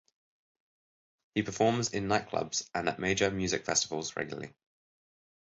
He performs in nightclubs and at major music festivals regularly.